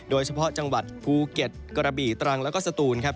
โดยเฉพาะจังหวัดภูเก็ตกระบี่ตรังแล้วก็สตูนครับ